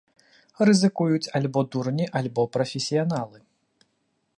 Рызыкуюць альбо дурні, альбо прафесіяналы.